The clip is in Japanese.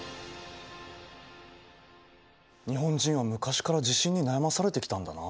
日本人は昔から地震に悩まされてきたんだな。